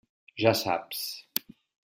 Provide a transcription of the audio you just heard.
Ja saps.